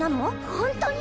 ホントに！？